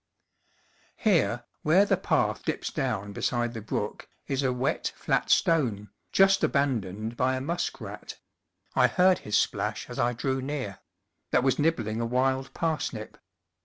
Here, where the path dips down beside the brook, is a wet, flat stone, just aban doned by a muskrat (I heard his splash as I drew near) that was nibbling a wild par snip.